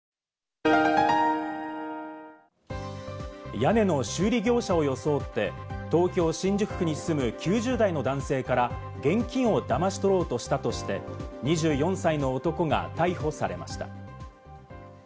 屋根の修理業者を装って、東京・新宿区に住む９０代の男性から現金をだまし取ろうとしたとして、２４歳の男が逮捕されました。